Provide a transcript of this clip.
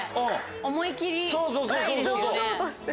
思い切りはいいですよね。